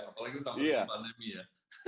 apalagi tahun pandemi ya